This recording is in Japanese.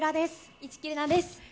市來玲奈です。